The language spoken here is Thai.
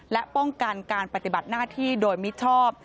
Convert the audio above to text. และป้องกันการปฏิบัติหน้าที่โดยมิชอบ